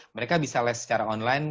mereka bisa les secara online